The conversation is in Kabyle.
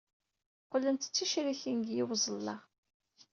Qqlent d ticrikin deg yiweẓla.